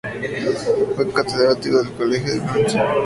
Fue catedrático del Colegio de Francia.